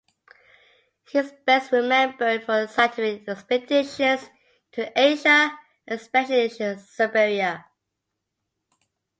He is best remembered for scientific expeditions into Asia and especially Siberia.